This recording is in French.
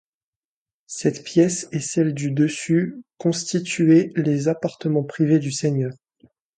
Cette pièce et celle du dessus constituaient les appartements privés du seigneur.